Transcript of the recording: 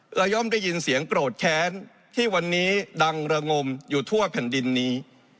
ย่อมได้ยินเสียงโกรธแค้นที่วันนี้ดังระงมอยู่ทั่วแผ่นดินนี้